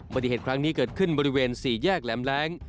ปฏิเหตุครั้งนี้เกิดขึ้นบริเวณ๔แยกแหลมแรง